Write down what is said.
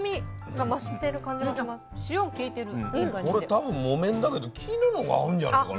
これ多分木綿だけど絹の方が合うんじゃないかな。